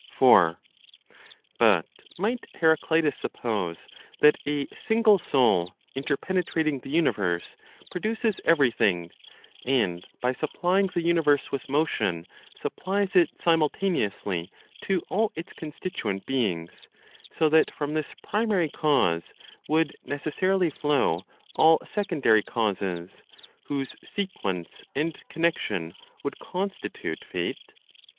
4. But might (Heraclitus) suppose that a single Soul interpenetrating the universe produces everything, and by supplying the universe with motion supplies it simultaneously to all its constituent beings, so that from this primary cause, would necessarily flow all secondary causes, whose sequence and connection would constitute Fate?